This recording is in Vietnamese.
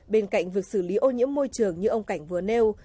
bên cạnh việc xử lý ô nhiễm môi trường như ông cảnh vừa nêu